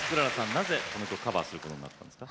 なぜ、この曲をカバーすることになったんですか？